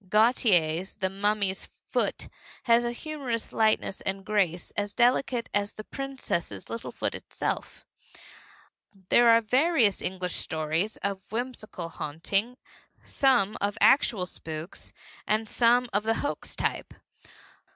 Gautier's The Mummy's Foot has a humor of a lightness and grace as delicate as the princess's little foot itself. There are various English stories of whimsical haunting, some of actual spooks and some of the hoax type.